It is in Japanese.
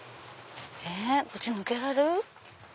こっち抜けられる？